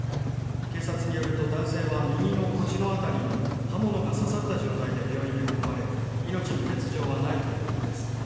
警察によると男性は、右の腰の辺りに刃物が刺さった状態で病院に運ばれ、命に別状はないということです。